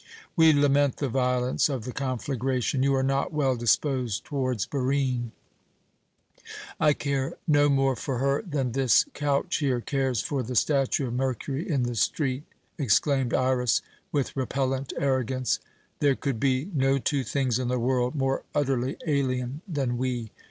"We lament the violence of the conflagration. You are not well disposed towards Barine." "I care no more for her than this couch here cares for the statue of Mercury in the street!" exclaimed Iras, with repellent arrogance. "There could be no two things in the world more utterly alien than we.